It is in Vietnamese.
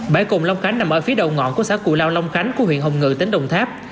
bãi cùng long khánh nằm ở phía đầu ngọn của xã cù lao long khánh của huyện hồng ngự tỉnh đồng tháp